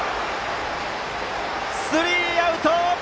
スリーアウト！